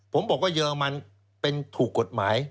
ผมบอกว่าเยอรมันเป็นถูกกฎหมาย